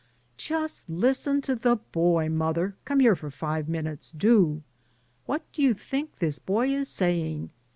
"Just listen to the boy. Mother come here for five minutes, do. What do you think this boy is saying?